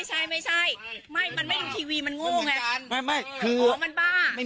ท่านพี่กินแบบทานแล้วพี่กินข้าวเปล่าเหมือนกัน